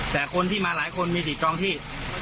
แต่คนที่มาหลายคนมีสิทธิ์จองที่